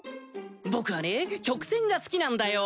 僕はね直線が好きなんだよ。